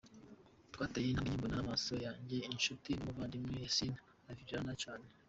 Twateye intambwe nke, mbona n’amaso yanjye inshuti n’umuvandimwe Yasin avirirana cyane.